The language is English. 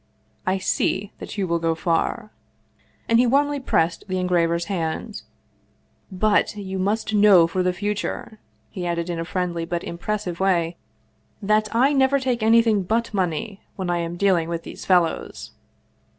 I see that you will go far." And he warmly pressed the engraver's hand. " But you must know for the future," he added in a friendly but impressive way, " that I never take anything but money when I am dealing with these fellows.